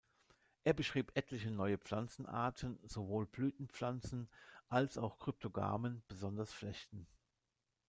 Er beschrieb etliche neue Pflanzenarten, sowohl Blütenpflanzen als auch Kryptogamen, besonders Flechten.